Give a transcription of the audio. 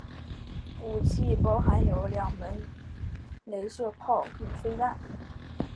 武器包含有两门雷射炮与飞弹。